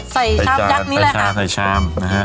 ใส่ชามยักษ์นี้เลยค่ะใส่ชาม